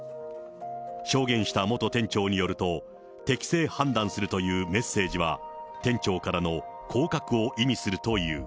証言した元店長によると、適性判断するというメッセージは、店長からの降格を意味するという。